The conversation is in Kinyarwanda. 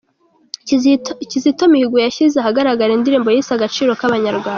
Kizito Mihigo yashyize ahagaragara indirimbo yise Agaciro k’Abanyarwanda"